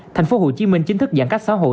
tp hcm chính thức giãn cách xã hội